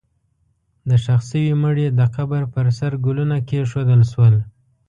د ښخ شوي مړي د قبر پر سر ګلونه کېښودل شول.